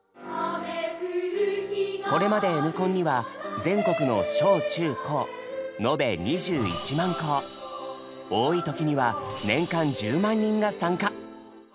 これまで「Ｎコン」には全国の小・中・高多い時には年間１０万人が参加。